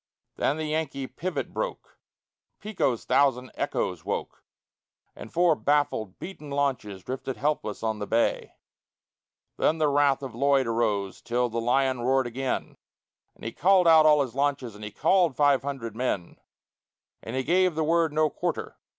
Then the Yankee pivot spoke; Pico's thousand echoes woke; And four baffled, beaten launches drifted helpless on the bay. Then the wrath of Lloyd arose till the lion roared again, And he called out all his launches and he called five hundred men; And he gave the word "No quarter!"